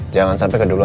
jangan sampai kedua dua